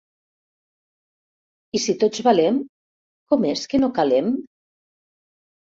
I si tots valem, ¿com és que no calem?